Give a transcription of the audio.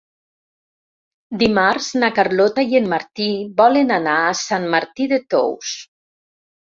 Dimarts na Carlota i en Martí volen anar a Sant Martí de Tous.